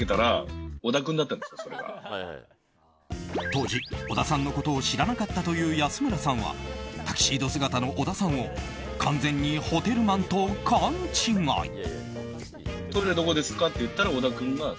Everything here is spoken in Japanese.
当時、小田さんのことを知らなかったという安村さんはタキシード姿の小田さんを完全にホテルマンと勘違い。